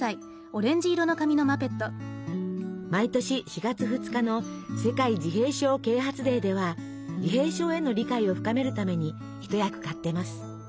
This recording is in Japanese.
毎年４月２日の「世界自閉症啓発デー」では自閉症への理解を深めるために一役買ってます。